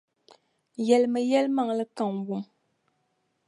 Yεlimi yεlimaŋli ka n wum.